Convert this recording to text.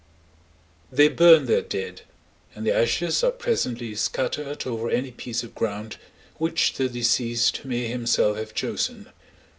They burn their dead, and the ashes are presently scattered over any piece of ground which the deceased may himself have chosen.